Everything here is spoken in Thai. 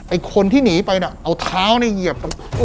ไอ้คนที่หนีไปน่ะเอาเท้าเนี่ยเหยียบ